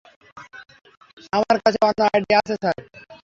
আমার কাছে অন্য আইডিয়া আছে, স্যার।